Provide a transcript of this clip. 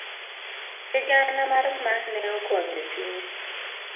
Sigana mar Ma ne okonyo chunye.